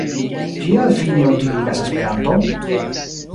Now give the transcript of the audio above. Kial vi ne utiligas Esperanton?